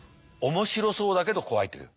面白そうだけど怖いという。